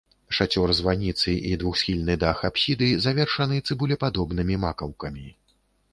Шацёр званіцы і двухсхільны дах апсіды завершаны цыбулепадобнымі макаўкамі.